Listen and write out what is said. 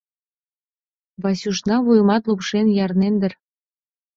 Васюшна вуйымат лупшен ярнен дыр.